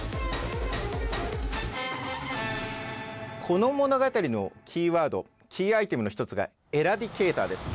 この物語のキーワードキーアイテムの一つがエラディケイターです。